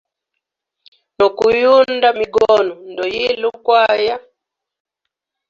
No kuyunda migono, ndoyile ukwaya.